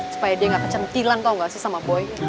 supaya dia nggak kecantilan tahu nggak sih sama boy